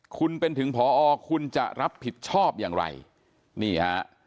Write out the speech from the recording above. คุณเป็นถึงพอคุณจะรับผิดชอบอย่างไรนี่ฮะ